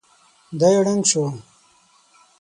دی ړنګ شو.